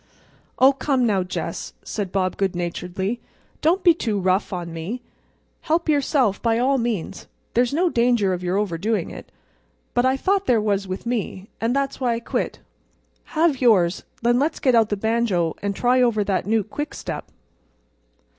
"Oh, come now, Jess," said Bob good naturedly, "don't be too rough on me. Help yourself, by all means. There's no danger of your overdoing it. But I thought there was with me; and that's why I quit. Have yours, and then let's get out the banjo and try over that new quickstep."